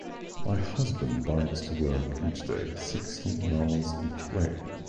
My husband bikes to work each day sixteen miles each way.